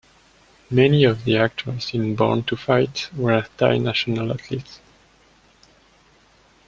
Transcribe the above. Many of the actors in "Born to Fight" were Thai national athletes.